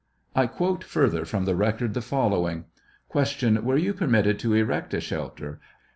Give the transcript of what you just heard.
I quote further from the record the following : Q. Were you permitted to erect a shelter